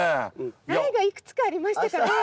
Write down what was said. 苗がいくつかありましたからね。